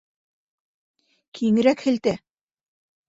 Киңерәк һелтә!